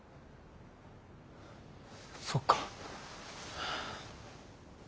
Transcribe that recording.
そっか。